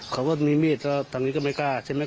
เขาก็มีมีดแล้วตอนนี้ก็ไม่กล้าใช่ไหม